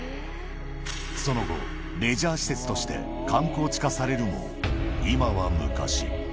その後、レジャー施設として観光地化されるも、今は昔。